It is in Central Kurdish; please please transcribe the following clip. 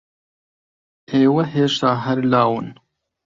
ئێوە ھێشتا ھەر لاون.